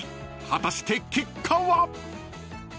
果たして結果は⁉］